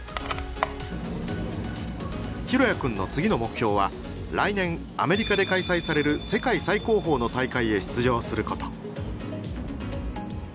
大也君の次の目標は来年アメリカで開催される世界最高峰の大会へ出場すること。